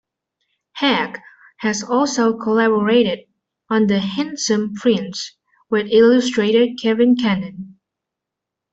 Hegg has also collaborated on "The Handsome Prince" with illustrator Kevin Cannon.